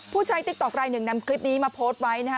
ใช้ติ๊กต๊อกรายหนึ่งนำคลิปนี้มาโพสต์ไว้นะฮะ